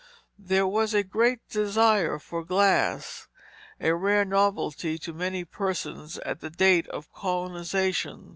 There was a great desire for glass, a rare novelty to many persons at the date of colonization.